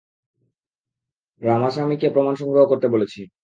রামাসামিকে প্রমাণ সংগ্রহ করতে বলেছি।